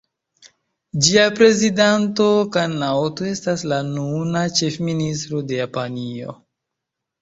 Ĝia prezidanto Kan Naoto estas la nuna ĉefministro de Japanio.